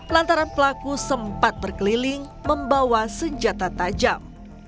lantaran pelaku sempat berkeliling membawa senjata tajam